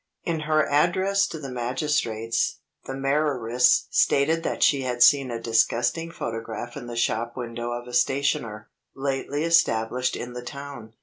"In her address to the magistrates, the Mayoress stated that she had seen a disgusting photograph in the shop window of a stationer, lately established in the town.